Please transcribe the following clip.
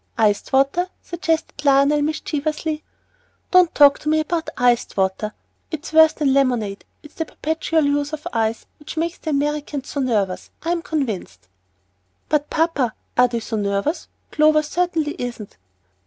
"Iced water," suggested Lionel, mischievously. "Don't talk to me about iced water. It's worse than lemonade. It's the perpetual use of ice which makes the Americans so nervous, I am convinced." "But, papa, are they so nervous? Clover certainly isn't."